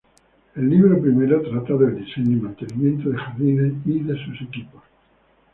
El libro primero trata del diseño y mantenimiento de jardines, y de sus equipos.